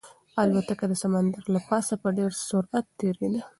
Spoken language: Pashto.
الوتکه د سمندر له پاسه په ډېر سرعت تېرېده.